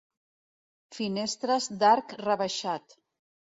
Finestres d'arc rebaixat.